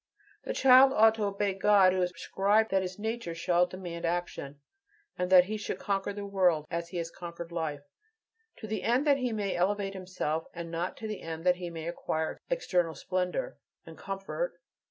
The child ought to obey God, who has prescribed that his nature shall demand action; and that he should conquer his world as he has conquered life, to the end that he may elevate himself and not to the end that he may acquire external splendor and comfort.